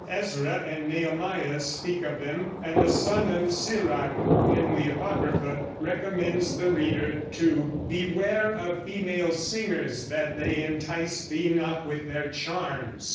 Ezra and Nehemiah speak of them, and the son of Sirach, in the Apocrypha, recommends the reader to "beware of female singers, that they entice thee not with their charms."